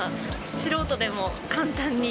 素人でも簡単に。